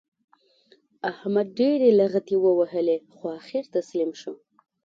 احمد ډېرې لغتې ووهلې؛ خو اخېر تسلیم شو.